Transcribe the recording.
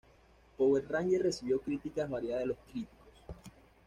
Power Rangers recibió críticas variadas de los críticos.